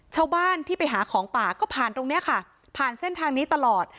ชาวบ้านที่ไปหาของป่าก็ผ่านตรงนี้ค่ะผ่านเส้นทางนี้ตลอด